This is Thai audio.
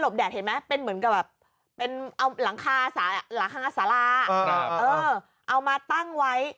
แบบเป็นหลังคาสาระเอามาตั้งไว้